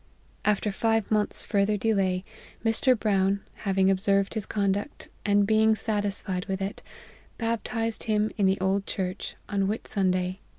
After five month's further delay, Mr. Brown, having observed his conduct, and being satisfied with it, baptized him in the old church, on Whit Sunday, 1811.